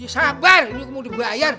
sabar ini mau dibayar